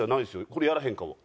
「これやらへんか？」は。